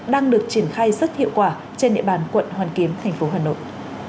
đang được triển khai rất hiệu quả trên địa bàn quận hoàn kiếm thành phố hà nội